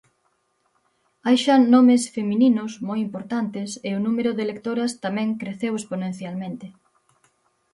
Hai xa nomes femininos moi importantes e o número de lectoras tamén creceu exponencialmente.